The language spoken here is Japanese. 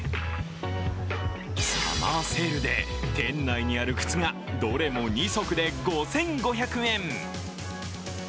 サマーセールで店内にある靴がどれも２足で５５００円。